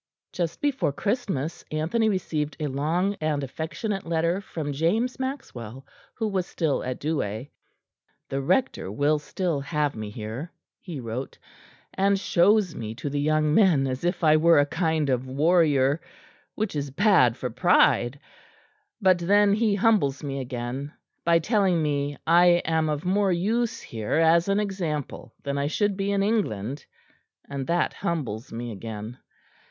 Just before Christmas, Anthony received a long and affectionate letter from James Maxwell, who was still at Douai. "The Rector will still have me here," he wrote, "and shows me to the young men as if I were a kind of warrior; which is bad for pride; but then he humbles me again by telling me I am of more use here as an example, than I should be in England; and that humbles me again.